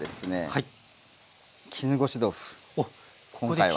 はい。